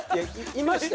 いました？